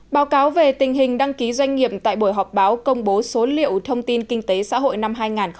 báo cáo về tình hình đăng ký doanh nghiệp tại buổi họp báo công bố số liệu thông tin kinh tế xã hội năm hai nghìn một mươi tám